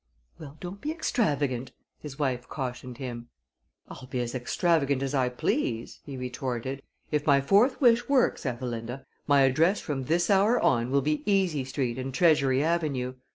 "Well, don't be extravagant," his wife cautioned him. "I'll be as extravagant as I please," he retorted. "If my fourth wish works, Ethelinda, my address from this hour on will be Easy Street and Treasury Avenue.